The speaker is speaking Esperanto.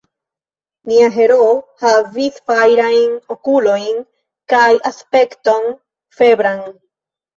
Nia heroo havis fajrajn okulojn kaj aspekton febran.